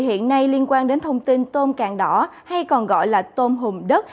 hiện nay liên quan đến thông tin tôm càng đỏ hay còn gọi là tôm hùm đất